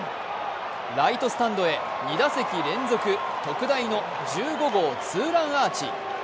ライトスタンドへ２打席連続特大の１５号ツーランアーチ。